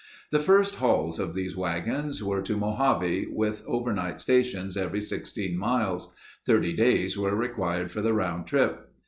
The first hauls of these wagons were to Mojave, with overnight stations every sixteen miles. Thirty days were required for the round trip.